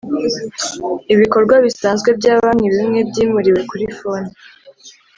Ibikorwa bisanzwe bya banki bimwe byimuriwe kuri Phone